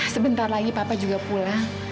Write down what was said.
sebentar lagi papa juga pulang